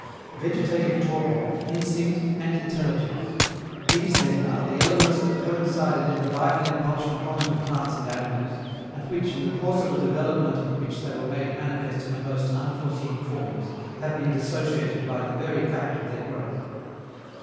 Vegetative torpor, instinct, and intelligence these, then, are the elements that coincided in the vital impulsion common to plants and animals, and which, in the course of a development in which they were made manifest in the most unforeseen forms, have been dissociated by the very fact of their growth.